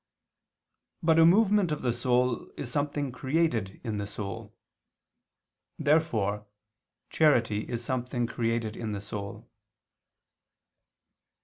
But a movement of the soul is something created in the soul. Therefore charity is something created in the soul.